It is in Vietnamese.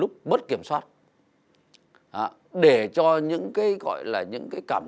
có thương tao hả